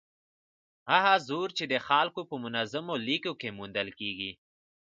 هغه زور چې د خلکو په منظمو لیکو کې موندل کېږي.